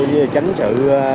với tránh sự